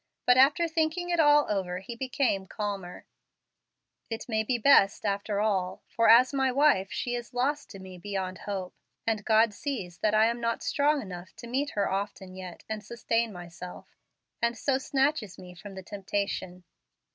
But after thinking it all over he became calmer, "It may be best after all, for as my wife she is lost to me beyond hope, and God sees that I am not strong enough to meet her often yet and sustain myself, and so snatches me from the temptation."